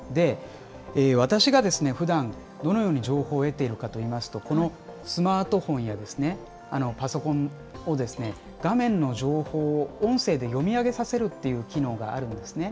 私がふだんどのように情報を得ているかといいますとこのスマートフォンやパソコンを画面の情報を音声で読み上げさせるという機能があるんですね。